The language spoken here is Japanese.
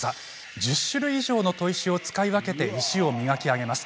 １０種類以上の砥石を使い分けて、石を磨き上げます。